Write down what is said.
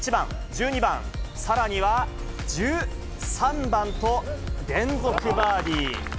１１番、１２番、さらには１３番と連続バーディー。